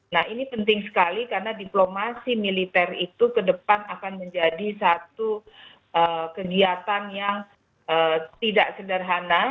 nah ini penting sekali karena diplomasi militer itu ke depan akan menjadi satu kegiatan yang tidak sederhana